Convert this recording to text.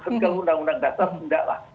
untuk undang undang dasar tidak lah